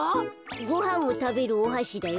ごはんをたべるおはしだよ。